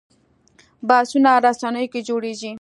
بحثونه رسنیو کې جوړېږي